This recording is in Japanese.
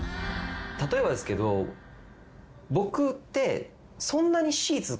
例えばですけど僕って。